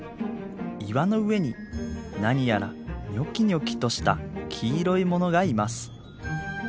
岩の上に何やらニョキニョキとした黄色いものがいます。